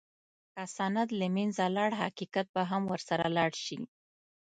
که سند له منځه لاړ، حقیقت به هم ورسره لاړ شي.